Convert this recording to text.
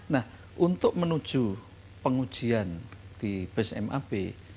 nah untuk menuju pengujian di bus map